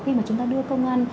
khi mà chúng ta đưa công an